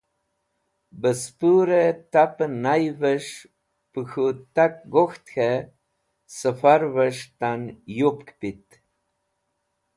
Bẽspũrẽ tapẽ nay ves̃h pẽ khũ tak gok̃ht k̃hẽ sẽfarvẽs̃h tan yupk pit.